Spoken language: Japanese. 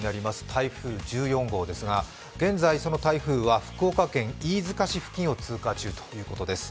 台風１４号ですが、現在、その台風は福岡県飯塚市付近を通過中ということです。